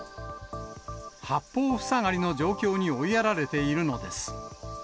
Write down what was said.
八方塞がりの状況に追いやられているのです。